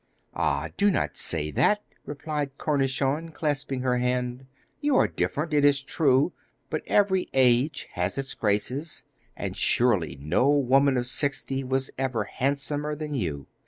'Ah, do not say that,' replied Cornichon, clasping her hand. 'You are different, it is true; but every age has its graces, and surely no woman of sixty was ever handsomer than you!